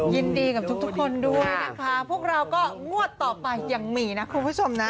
ยินดีกับทุกคนด้วยนะคะพวกเราก็งวดต่อไปยังมีนะคุณผู้ชมนะ